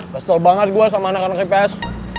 bestel banget gue sama anak anak ipa ips